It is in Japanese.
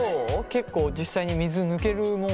結構実際に水抜けるもん？